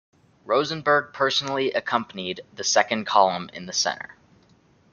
Rosenberg personally accompanied the Second Column in the center.